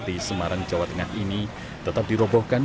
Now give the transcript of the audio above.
terus kandang harus dirobotan